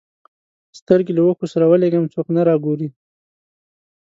سترګي له اوښکو سره ولېږم څوک نه را ګوري